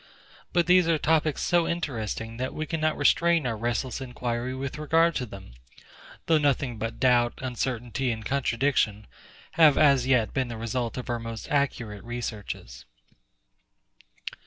But these are topics so interesting, that we cannot restrain our restless inquiry with regard to them; though nothing but doubt, uncertainty, and contradiction, have as yet been the result of our most accurate researches.